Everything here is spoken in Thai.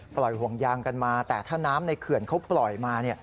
ห่วงยางกันมาแต่ถ้าน้ำในเขื่อนเขาปล่อยมา